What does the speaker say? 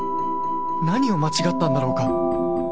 何を間違ったんだろうか？